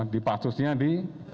di pasusnya di